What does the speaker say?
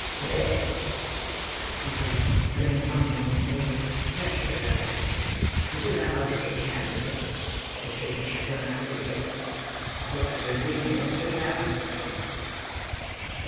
"There!" he said, laying the bundle on the table. "Take care of that, and do the most you can with it. It's been trouble enough to get; I thought I should have been here, three hours ago."